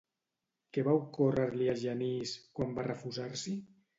Què va ocórrer-li a Genís quan va refusar-s'hi?